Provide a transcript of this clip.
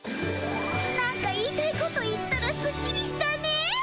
なんか言いたいこと言ったらすっきりしたねぇ。